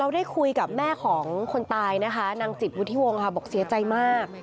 ได้คุยกับแม่ของคนตายนางจิตวูธิวงษ์บอกเสียจัยมาก